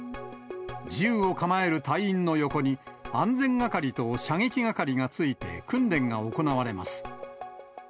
銃を構える隊員の横に安全係と射撃係がついて、訓練が行われます。